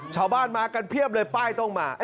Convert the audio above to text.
ชาวบ้านมากันเพียบเลยป้ายต้องมา